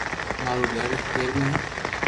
مارو گھر ھير مي ھي